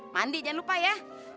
mandi jangan lupa ya